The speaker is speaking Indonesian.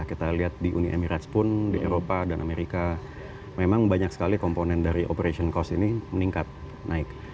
kita lihat di uni emirates pun di eropa dan amerika memang banyak sekali komponen dari operation cost ini meningkat naik